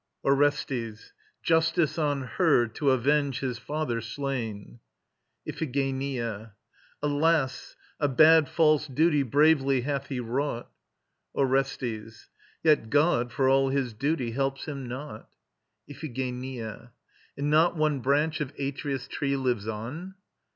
ORESTES. Justice on her, to avenge his father slain. IPHIGENIA. Alas! A bad false duty bravely hath he wrought. ORESTES. Yet God, for all his duty, helps him not. IPHIGENIA. And not one branch of Atreus' tree lives on?